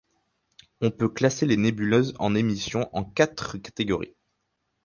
On peut classer les nébuleuses en émission en quatre catégories.